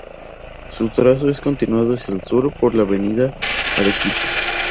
Su trazo es continuado hacia el Sur por la avenida Arequipa.